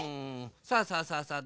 さあさあさあさあ